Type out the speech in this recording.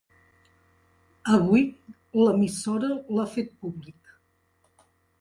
Avui, l’emissora l’ha fet públic.